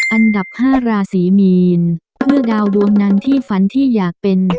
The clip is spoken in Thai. อันดับ๕ราศีมีนเพื่อดาวดวงนั้นที่ฝันที่อยากเป็น